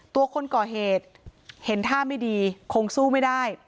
ตัวคนก่อเหตุเห็นท่าไม่ดีคงสู้ไม่ได้